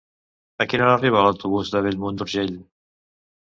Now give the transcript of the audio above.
A quina hora arriba l'autobús de Bellmunt d'Urgell?